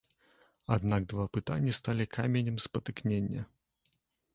Аднак два пытанні сталі каменем спатыкнення.